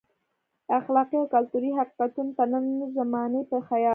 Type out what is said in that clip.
اخلاقي او کلتوري حقیقتونو ته د نن زمانې په خیاط.